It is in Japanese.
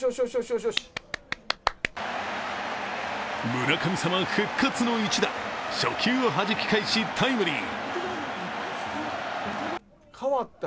村上様復活の一打、初球をはじき返しタイムリー。